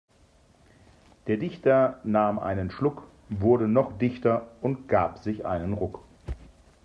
Der Dichter nahm einen Schluck, wurde noch dichter und gab sich einen Ruck.